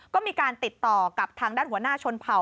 ก็มีการติดต่อกับทางด้านหัวหน้าชนเผ่า